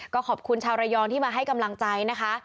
ก็ขอบคุณชาวระยองที่มาให้กำลังใจนะคะ